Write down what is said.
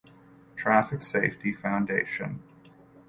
Traffic Safety Foundation.